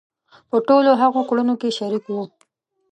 په ټولو هغو کړنو کې شریک وو.